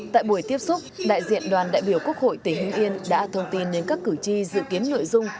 tại buổi tiếp xúc đại diện đoàn đại biểu quốc hội tỉnh hưng yên đã thông tin đến các cử tri dự kiến nội dung